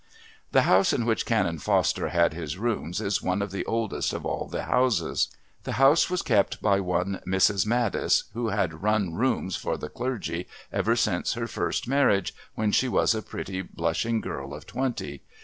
The house in which Canon Foster had his rooms is one of the oldest of all the houses. The house was kept by one Mrs. Maddis, who had "run" rooms for the clergy ever since her first marriage, when she was a pretty blushing girl of twenty.